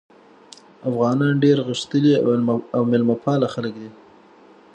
افغانان ډېر غښتلي او میلمه پاله خلک دي.